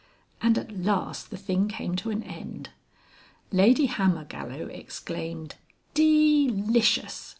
And at last the thing came to an end. Lady Hammergallow exclaimed "De licious!"